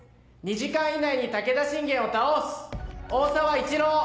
「２時間以内に武田信玄を倒す大沢一郎」。